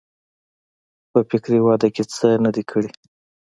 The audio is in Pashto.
په فکري وده کې څه نه دي کړي.